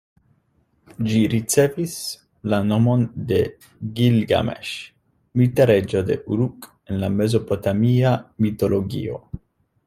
Ĝi ricevis la nomon de Gilgameŝ, mita reĝo de Uruk en la mezopotamia mitologio.